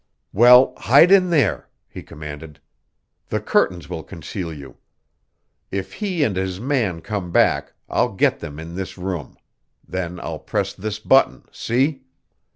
"Well, hide in there," he commanded. "The curtains will conceal you. If he and his man come back I'll get them in this room then I'll press this button, see?"